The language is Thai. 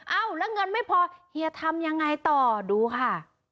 เอ้าแล้วเงินไม่พอเฮียทำยังไงต่อดูค่ะ